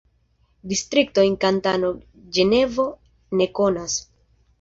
Distriktojn Kantono Ĝenevo ne konas.